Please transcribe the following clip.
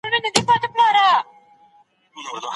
خاوند تر طلاق وروسته په کومو مالي مصارفو مکلف کيږي؟